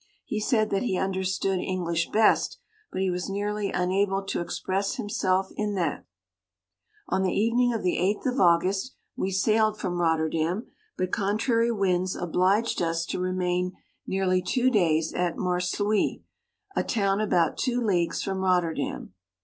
He said that he understood English best, but he was nearly unable to express himself in that On the evening of the 8th of August we sailed from Rotterdam, but contrary winds obliged us to remain nearly two days at Marsluys, a town about two leagues from Rotterdam.